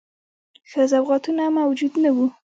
ښه سوغاتونه موجود نه وه.